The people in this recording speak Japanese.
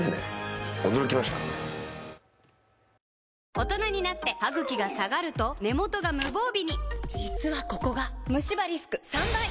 大人になってハグキが下がると根元が無防備に実はここがムシ歯リスク３倍！